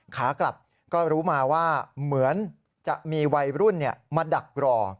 ขากลับก็รู้มาว่าเหมือนจะมีวัยรุ่นมาดักรอ